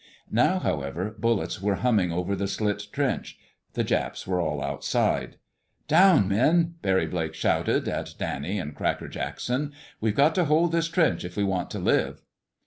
Now, however, bullets were humming over the slit trench. The Japs were all outside. "Down, men!" Barry Blake shouted at Danny and Cracker Jackson. "We've got to hold this trench if we want to live."